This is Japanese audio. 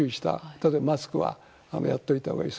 例えばマスクはやっておいたほうがいい。